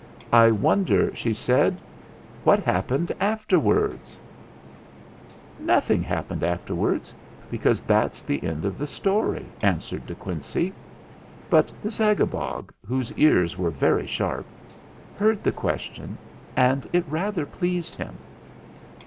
"I wonder," she said, "what happened after wards?" 150 THE FLINT HEART "Nothing happened afterwards, because that's the end of the story," answered De Quincey; but the Zagabog, whose ears were very sharp, heard the question, and it rather pleased him.